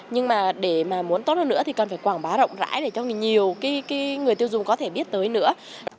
nhưng mà để mà muốn tốt hơn nữa thì cần phải quảng bá rộng rãi để cho nhiều người tiêu dùng có thể biết tới nữa